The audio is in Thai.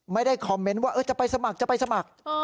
ไม่ได้คอมเมนต์ว่าจะไปสมัครจะไปสมัคร